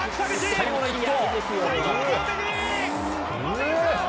最後の一投。